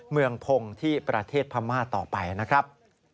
เมืองพงศ์ที่ประเทศพม่าต่อไปนะครับ